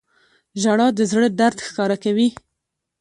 • ژړا د زړه درد ښکاره کوي.